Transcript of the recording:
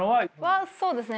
そうですね